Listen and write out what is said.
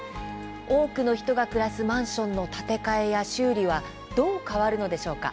多くの人が暮らすマンションの建て替えや修理はどう変わっていくのでしょうか。